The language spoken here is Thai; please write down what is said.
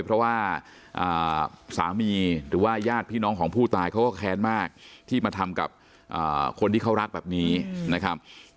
เพราะว่าสามีหรือว่าญาติพี่น้องของผู้ตายเขาก็แค้นมากที่มาทำกับคนที่เขารักแบบนี้นะครับ